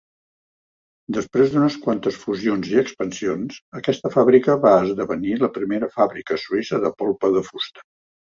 Després d'unes quantes fusions i expansions, aquesta fàbrica va esdevenir la primera fàbrica suïssa de polpa de fusta.